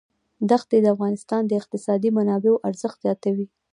ښتې د افغانستان د اقتصادي منابعو ارزښت زیاتوي.